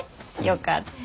よかった。